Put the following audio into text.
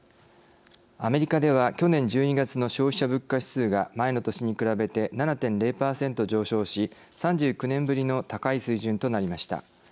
アメリカでは去年１２月の消費者物価指数が前の年に比べて７．０％上昇し３９年ぶりの高い水準となりました。